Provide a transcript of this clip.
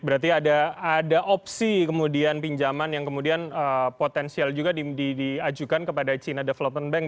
berarti ada opsi kemudian pinjaman yang kemudian potensial juga diajukan kepada china development bank